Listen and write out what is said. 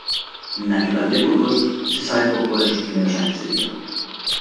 Natural de Burgos, se sabe poco de sus primeros años de vida.